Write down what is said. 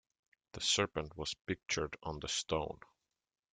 The serpent was pictured on the stone.